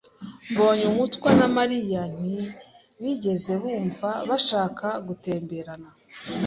Mbonyemutwa na Mariya ntibigeze bumva bashaka gutemberana.